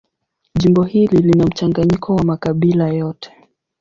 Jimbo hili lina mchanganyiko wa makabila yote.